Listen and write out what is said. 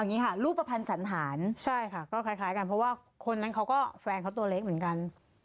อย่างนี้ค่ะรูปภัณฑ์สันหารใช่ค่ะก็คล้ายกันเพราะว่าคนนั้นเขาก็แฟนเขาตัวเล็กเหมือนกัน